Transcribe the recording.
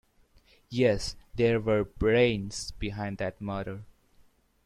Yes, there were brains behind that murder.